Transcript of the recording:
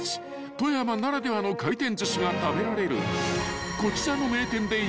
［富山ならではの回転寿司が食べられる］